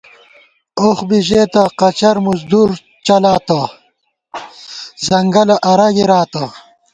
اوخ بی ژېتہ، قچَرہ مُزدُور چَلاتہ، ځنگَلہ اَرہ گِراتہ